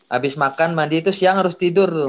habis makan mandi itu siang harus tidur tuh